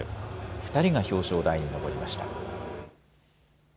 ２人が表彰台にのぼりました。